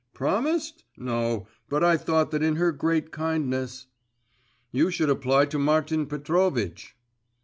'Promised? No; but I thought that in her great kindness ' 'You should apply to Martin Petrovitch.